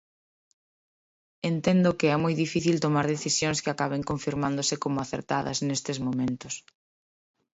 Entendo que é moi difícil tomar decisións que acaben confirmándose como acertadas nestes momentos.